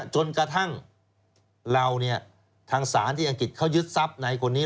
จนกระทั่งเราเนี่ยทางศาลที่อังกฤษเขายึดทรัพย์ในคนนี้